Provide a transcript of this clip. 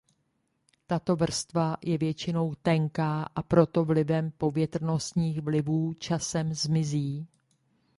Tato vrstva je většinou tenká a proto vlivem povětrnostních vlivů časem zmizí.